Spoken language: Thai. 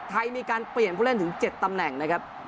ไทยมีการเปลี่ยนผู้เล่นถึง๗ตำแหน่งนะครับ